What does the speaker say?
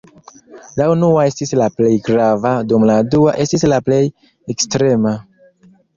La unua estis la plej grava dum la dua estis la plej ekstrema.